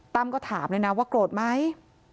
ก็ถามเลยนะว่าโกรธไหม